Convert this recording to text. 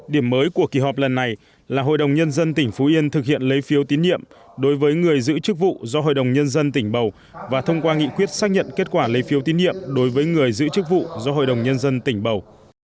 điểm mới của kỳ họp lần này là hội đồng nhân dân tỉnh phú yên thực hiện lấy phiếu tín nhiệm đối với người giữ chức vụ do hội đồng nhân dân tỉnh bầu và thông qua nghị quyết xác nhận kết quả lấy phiếu tín nhiệm đối với người giữ chức vụ do hội đồng nhân dân tỉnh bầu